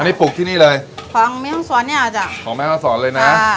อันนี้ปลุกที่นี่เลยของแม่งศรเนี่ยจ้ะของแม่งศรเลยนะ